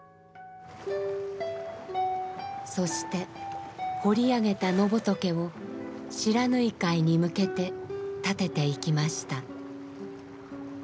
そして彫り上げた野仏を不知火海に向けてたてていきました。